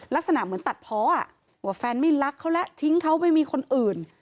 ลักษณะเหมือนตัดเพราะว่าแฟนไม่รักเขาแล้วทิ้งเขาไปมีคนอื่น